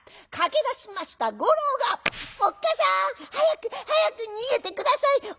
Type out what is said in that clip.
駆け出しました五郎が「おっかさん早く早く逃げて下さい！